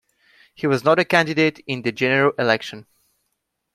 He was not a candidate in the general election.